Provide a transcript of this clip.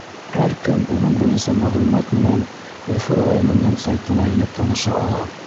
Һәр кем уның буйынса мәғлүмәт менән Өфө районының сайтына инеп таныша ала.